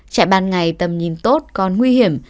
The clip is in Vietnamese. chạy ban ngày tầm nhìn tốt còn nguy hiểm